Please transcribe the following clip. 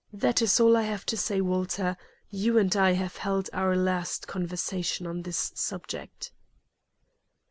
That is all I have to say, Walter. You and I have held our last conversation on this subject."